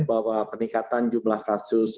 bahwa peningkatan jumlah kasus